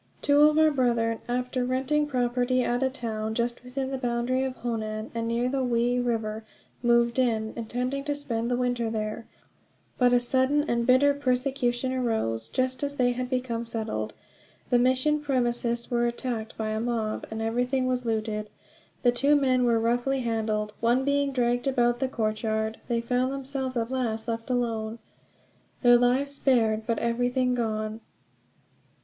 Two of our brethren, after renting property at a town just within the boundary of Honan, and near the Wei River, moved in, intending to spend the winter there; but a sudden and bitter persecution arose, just as they had become settled. The mission premises were attacked by a mob, and everything was looted. The two men were roughly handled, one being dragged about the courtyard. They found themselves at last left alone, their lives spared, but everything gone.